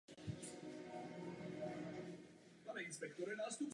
My v Parlamentu to budeme podrobně sledovat.